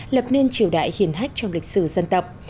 lập nên triều đại hiền hách trong lịch sử dân tộc